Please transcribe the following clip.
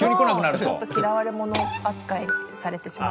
ちょっと嫌われ者扱いされてしまう海。